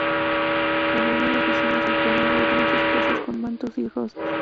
En ella, los vecinos del pueblo adornan sus casas con mantos y rosas.